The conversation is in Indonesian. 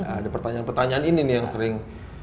ada pertanyaan pertanyaan ini nih yang sering